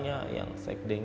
nanti kita ikut dingin